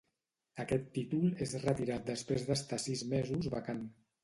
Aquest títol és retirat després d'estar sis mesos vacant.